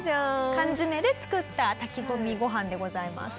缶詰で作った炊き込みご飯でございます。